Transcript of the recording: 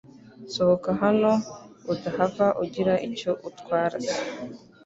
Sohoka hano udahava ugira icyo utwaras